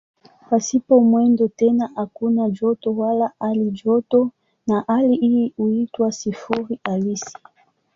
Pasipo mwendo tena hakuna joto wala halijoto na hali hii huitwa "sifuri halisi".